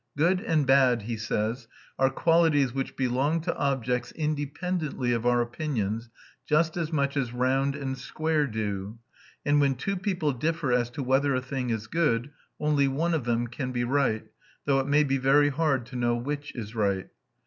"Good and bad," he says, "are qualities which belong to objects independently of our opinions, just as much as round and square do; and when two people differ as to whether a thing is good, only one of them can be right, though it may be very hard to know which is right."